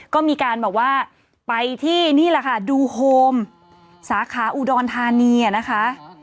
ก็มีการแบบว่าไปที่นี่แหละค่ะดูโฮมสาขาอุดรธานีนะคะ